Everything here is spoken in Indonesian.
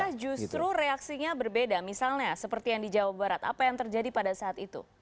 apakah justru reaksinya berbeda misalnya seperti yang di jawa barat apa yang terjadi pada saat itu